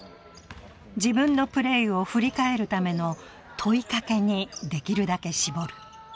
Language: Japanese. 自分のプレーを振り返るための問いかけにできるだけ絞る。